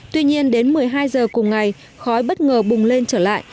tuy nhiên đến một mươi hai giờ cùng ngày khói bất ngờ bùng lên trở lại